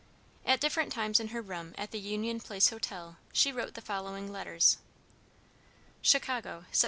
At different times in her room at the Union Place Hotel she wrote the following letters: CHICAGO, Sept.